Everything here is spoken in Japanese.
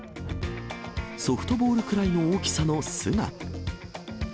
ソフトボールくらいの大きさの巣が。